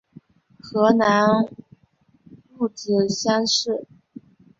河南戊子乡试。